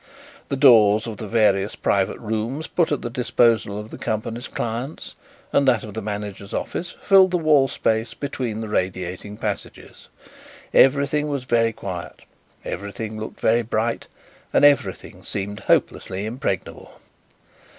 The doors of the various private rooms put at the disposal of the company's clients, and that of the manager's office, filled the wall space between the radiating passages. Everything was very quiet, everything looked very bright, and everything seemed hopelessly impregnable.